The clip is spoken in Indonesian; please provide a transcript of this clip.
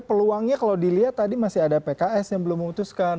peluangnya kalau dilihat tadi masih ada pks yang belum memutuskan